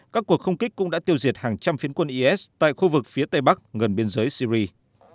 các cuộc không kích cũng đã tiêu diệt hàng trăm phiến quân is tại khu vực phía tây bắc gần biên giới syri